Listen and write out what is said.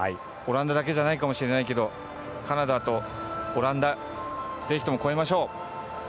オランダだけじゃないかもしれないけどカナダとオランダぜひとも超えましょう！